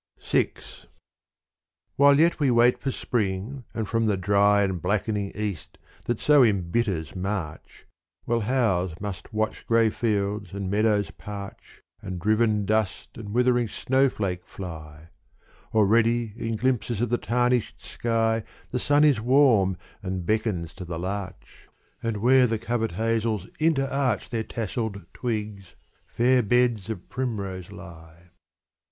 VI While yet we wait for spring and from the dry And blackening east that so embitters March, Well housed must watch grey fields and meadows parch And driven dust and withering snowflake fly : Already in glimpses of the tarnished sky The sun is warm and beckons to the larch, And where the covert hazels interarch Their tasselled twigs, fair beds of primrose lie.